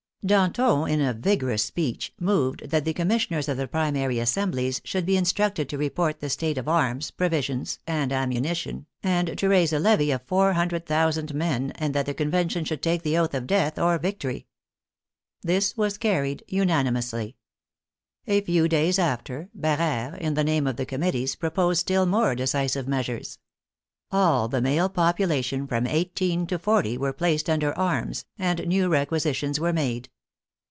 Danton, in a vigorous speech, moved that the com missioners of the primary assemblies should be instructed to report the state of r.rms, provisions, and ammunition, and to raise a levy of four hundred thousand men, and that the Convention should take the oath of death or victory. This was carried unanimously. A few days after, Barere, in the name of the Committees, proposed still more decisive measures. All the male population, from eighteen to forty, were placed under arms, and new requisitions were made.